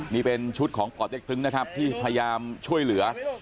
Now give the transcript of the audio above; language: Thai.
นี่เป็นชุดของป่อเต็กตึงนะครับที่พยายามช่วยเหลือ